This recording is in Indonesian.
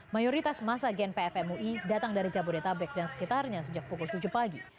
mayoritas masa gnpf mui datang dari jabodetabek dan sekitarnya sejak pukul tujuh pagi